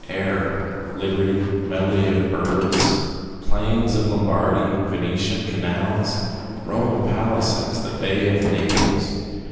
—air, liberty, melody of birds, plains of Lombardy, Venetian canals, Roman palaces, the Bay of Naples.